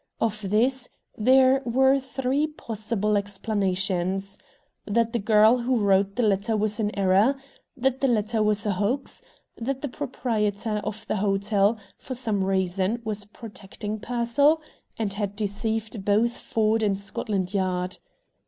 Of this there were three possible explanations: that the girl who wrote the letter was in error, that the letter was a hoax, that the proprietor of the hotel, for some reason, was protecting Pearsall, and had deceived both Ford and Scotland Yard.